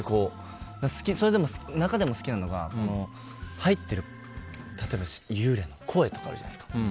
中でも好きなのが、入ってる幽霊の声とかあるじゃないですか。